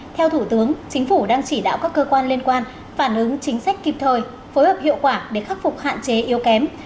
theo thủ tướng chính phủ đang chỉ đạo các cơ quan liên quan phản ứng chính sách kịp thời phối hợp hiệu quả để khắc phục hạn chế yếu kém